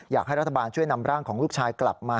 อยากให้รัฐบาลช่วยนำร่างของลูกชายกลับมา